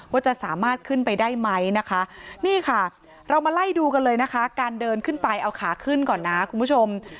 ว่าจะสามารถขึ้นไปได้ไหมนะคะนี่ค่ะเรามาไล่ดูกันเลยนะคะการเดินขึ้นไปเอาขาขึ้นก่อนนะคุณผู้ชม